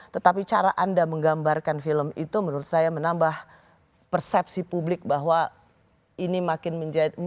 tetapi cara anda menggambarkan film itu menurut saya menambah persepsi publik bahwa ini makin menjadi